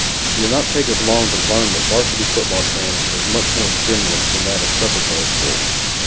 It did not take us long to learn that varsity football training was much more strenuous than that of the preparatory school.